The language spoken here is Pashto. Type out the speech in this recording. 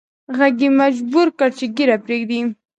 ږغ یې مجبور کړ چې ږیره پریږدي